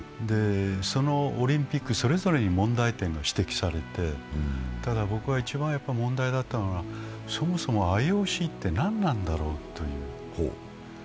そのオリンピックそれぞれに問題点が指摘されて、ただ僕は一番問題だったのは、そもそもＩＯＣって何なんだろうって。